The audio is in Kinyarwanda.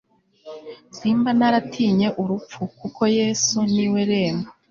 smba naratinye urupfu kuko yesu niwe rembo